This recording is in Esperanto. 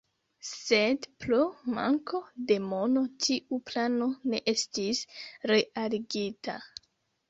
Sed pro manko de mono tiu plano ne estis realigita.